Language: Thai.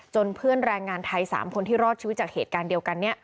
เพื่อนแรงงานไทย๓คนที่รอดชีวิตจากเหตุการณ์เดียวกัน